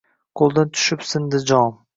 Qo’ldan tushib sindi jom.